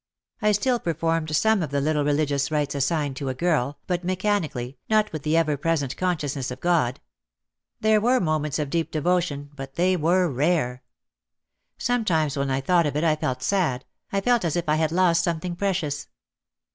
I still per formed some of the little religious rites assigned to a girl, but mechanically, not with the ever present con sciousness of God. There were moments of deep de votion, but they were rare. Sometimes when I thought of it I felt sad, I felt as if I had lost something precious.